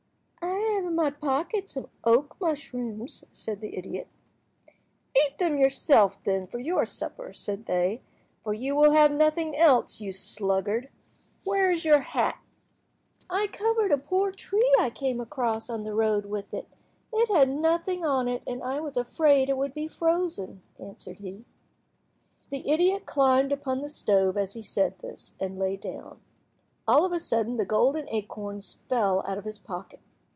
"I have in my pocket some oak mushrooms," said the idiot. "Eat them yourself, then, for your supper," said they, "for you will have nothing else, you sluggard. Where is your hat?" "I covered a poor tree I came across on the road with it; it had nothing on it, and I was afraid it would be frozen," answered he. The idiot climbed upon the stove as he said this, and lay down. All of a sudden the golden acorns fell out of his pocket.